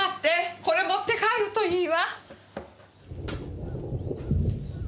これ持って帰るといいわ。